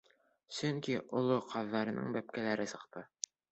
Сөнки оло ҡаҙҙарының бәпкәләре сыҡты.